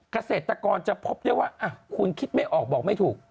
เกษตรกรจะพบได้ว่าคุณคิดไม่ออกบอกไม่ถูก